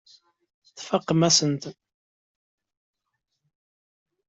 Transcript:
Tfakemt-asent-tt.